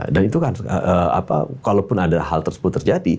dan itu kan kalaupun ada hal tersebut terjadi